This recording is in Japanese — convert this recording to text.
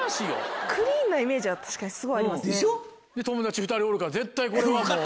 で友達２人おるから絶対これはもう。